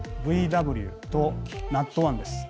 「ＶＷ」と「ＮＡＴ１」です。